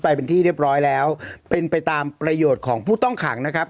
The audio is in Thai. ไปเป็นที่เรียบร้อยแล้วเป็นไปตามประโยชน์ของผู้ต้องขังนะครับ